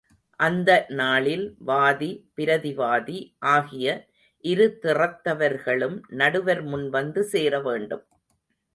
அந்த நாளில் வாதி, பிரதிவாதி ஆகிய இருதிறத்தவர்களும் நடுவர் முன்வந்து சேரவேண்டும்.